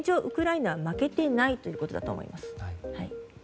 ウクライナは負けていないということだと思います。